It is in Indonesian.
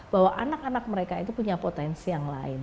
bahwa anak anak mereka itu punya potensi yang lain